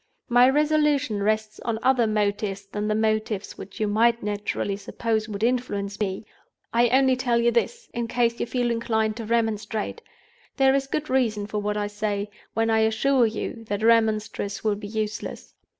My resolution rests on other motives than the motives which you might naturally suppose would influence me. I only tell you this, in case you feel inclined to remonstrate. There is good reason for what I say, when I assure you that remonstrance will be useless.